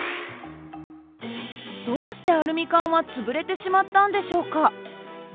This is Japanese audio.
どうしてアルミ缶は潰れてしまったんでしょうか？